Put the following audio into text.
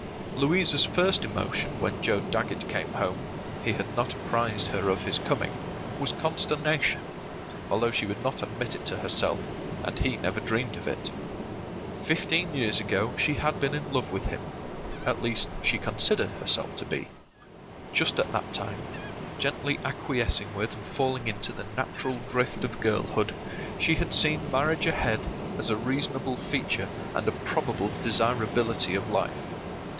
Louisa's first emotion when Joe Dagget came home (he had not apprised her of his coming) was consternation, although she would not admit it to herself, and he never dreamed of it. Fifteen years ago she had been in love with him — at least she considered herself to be. Just at that time, gently acquiescing with and falling into the natural drift of girlhood, she had seen marriage ahead as a reasonable feature and a probable desirability of life.